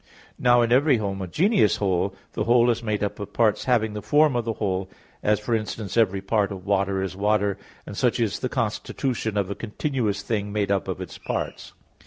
Now in every homogeneous whole, the whole is made up of parts having the form of the whole; as, for instance, every part of water is water; and such is the constitution of a continuous thing made up of its parts.